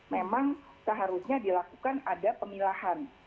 memang seharusnya dilakukan ada pemilahan